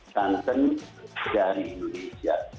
santan dari indonesia